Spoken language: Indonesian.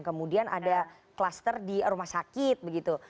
kemudian ada kluster di rumah sakit begitu